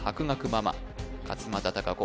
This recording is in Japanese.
ママ勝間田貴子